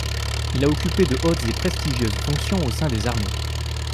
Il a occupé de hautes et prestigieuses fonctions au sein des Armées.